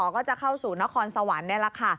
ก็จะเข้าสู่นครสวรรค์นี่แหละค่ะ